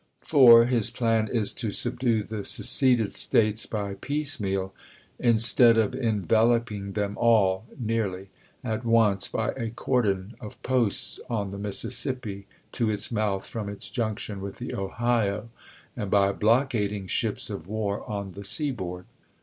4. His plan is to subdue the seceded States by piece meal instead of enveloping them all (nearly) at once by a cordon of posts on the Mississippi to its mouth from its junction with the Ohio, and by blockading ships of war on the seaboard.